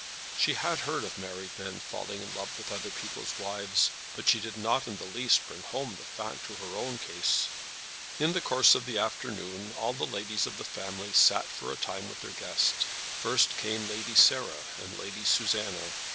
She had heard of married men falling in love with other people's wives, but she did not in the least bring home the fact to her own case. In the course of that afternoon all the ladies of the family sat for a time with their guest. First came Lady Sarah and Lady Susanna. Mrs.